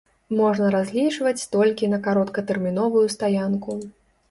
Можна разлічваць толькі на кароткатэрміновую стаянку.